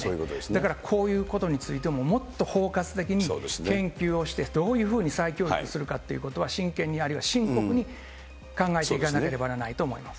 だからこういうことについてももっと包括的に研究をして、どういうふうに再教育するかということは真剣に、あるいは深刻に考えていかなければならないと思います。